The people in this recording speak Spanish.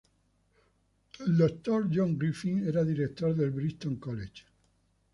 Dr. John Griffith, era Director del Brighton College.